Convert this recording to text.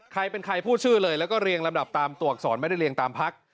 ใครเป็นใครพูดชื่อเลยแล้วก็เรียงลำดับตามตัวอักษรไม่ได้เรียงตามพัก